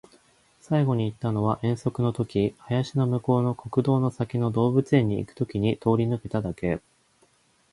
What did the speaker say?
最後に行ったのは遠足の時、林の向こうの国道の先の動物園に行く時に通り抜けただけ